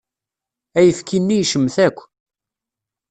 Ayefki-nni yecmet akk.